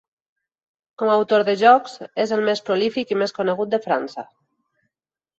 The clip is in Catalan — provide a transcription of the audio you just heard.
Com a autor de jocs és el més prolífic i més conegut de França.